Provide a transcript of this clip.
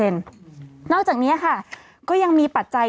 นอกจากนี้ค่ะก็ยังมีปัจจัย